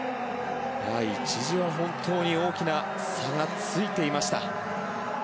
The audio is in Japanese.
一時は本当に大きな差がついていました。